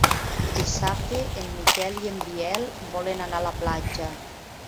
Dissabte en Miquel i en Biel volen anar a la platja.